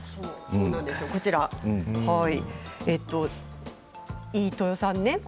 こちら、飯豊さんね。